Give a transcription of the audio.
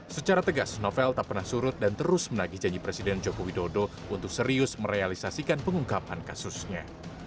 secara tegas novel tak pernah surut dan terus menagih janji presiden joko widodo untuk serius merealisasikan pengungkapan kasusnya